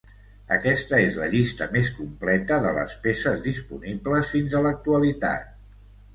Aquesta és la llista més completa de les peces disponibles fins a l'actualitat.